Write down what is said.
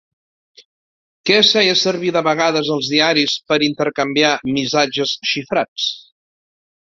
Què es feia servir de vegades als diaris per intercanviar missatges xifrats?